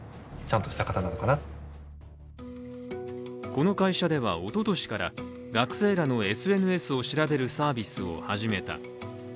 この会社ではおととしから、学生らのＳＮＳを調べるサービスを始めた。